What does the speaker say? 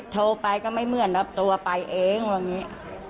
โทรไปก็ไม่เหมือนรับตัวไปเองว่าอย่างนี้